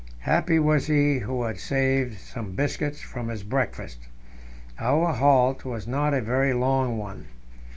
Happy was he who had saved some biscuits from his breakfast! Our halt was not a very long one.